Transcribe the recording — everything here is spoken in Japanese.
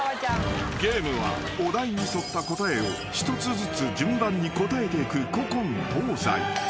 ［ゲームはお題に沿った答えを一つずつ順番に答えていく古今東西］